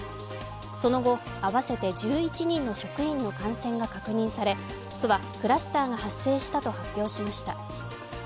その後、合わせて１１人の職員の感染が確認され、区はクラスターが発生したと発表しました。